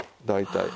大体。